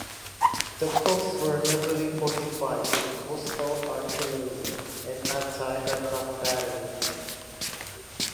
The coasts were heavily fortified with coastal artillery and anti-aircraft batteries.